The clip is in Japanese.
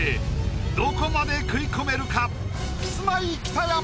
どこまで食い込めるか？